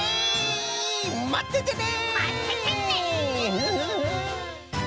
まっててね！